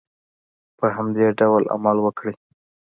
په همدې ډول عمل وکړئ.